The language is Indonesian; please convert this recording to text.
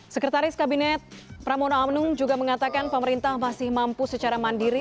sekretaris kabinet pramono anung juga mengatakan pemerintah masih mampu secara mandiri